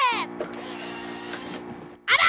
あら！